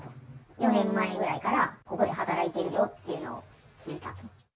４年前くらいからここで働いているよっていうのを聞いたと。